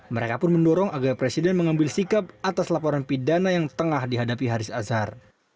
mereka pun mendorong agar presiden mengambil sikap atas laporan pidana yang tengah dihadapi haris azhar